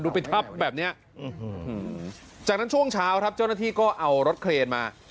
ปิดทับแบบนี้จากนั้นช่วงเช้าครับเจ้าหน้าที่ก็เอารถเครนมา